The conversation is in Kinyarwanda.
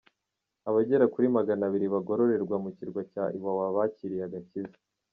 Abagera kuri magana abiri bagororerwa ku Kirwa cya Iwawa bakiriye agakiza